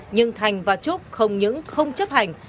nhưng thành và trúc không những không chấp hành